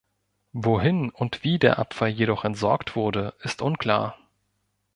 Wohin und wie der Abfall jedoch entsorgt wurde, ist unklar.